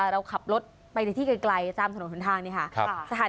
เราขับรถไปในที่ไกลตามถนนหนทางนี่ค่ะ